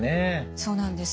そうなんです。